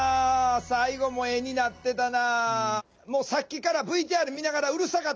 最後も絵になってたな。